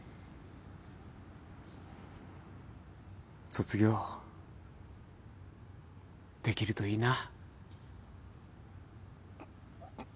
卒業できるといいな。